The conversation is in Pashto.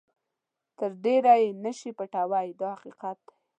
تر ډېره یې نه شئ پټولای دا حقیقت دی.